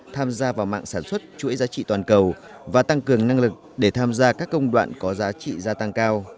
tham gia vào mạng sản xuất chuỗi giá trị toàn cầu và tăng cường năng lực để tham gia các công đoạn có giá trị gia tăng cao